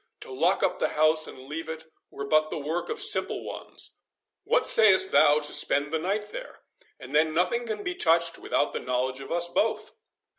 To lock up the house and leave it, were but the work of simple ones. What say'st thou to spend the night there, and then nothing can be touched without the knowledge of us both?"